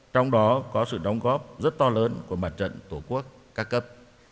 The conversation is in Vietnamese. trong đó có sự đóng góp rất to lớn của mặt trận tổ quốc ca cấp